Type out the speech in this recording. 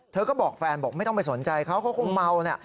เธอก็บอกแฟนบอกไม่ต้องไปสนใจเขาเขาคงเมาแหละ